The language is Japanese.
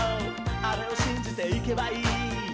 あれをしんじていけばいい」